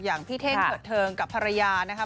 อย่างพี่เท่งเถิดเทิงกับภรรยานะครับ